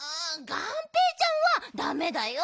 がんぺーちゃんはだめだよ。